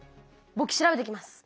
ぼく調べてきます。